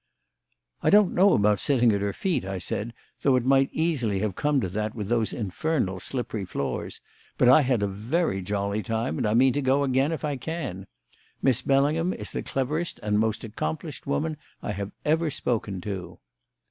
"I don't know about sitting at her feet," I said, "though it might easily have come to that with those infernal slippery floors; but I had a very jolly time, and I mean to go again if I can. Miss Bellingham is the cleverest and most accomplished woman I have ever spoken to."